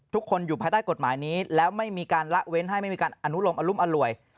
ทุกคนอยู่ภัยกันตะกฎหมายนี้แล้วไม่มีการละเว้นไม่มีการยุ่มอร่วย